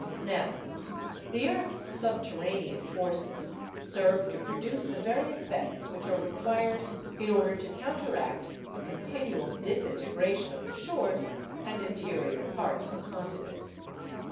Now, the earth's subterranean forces serve to produce the very effects which are required in order to counteract the continual disintegration of the shores and interior parts of continents.